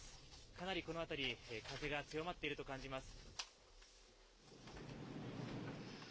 かなりこの辺り、風が強まっていると感じます。